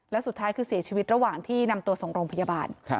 แล้วสุดท้ายคือเสียชีวิตระหว่างที่นำตัวส่งโรงพยาบาล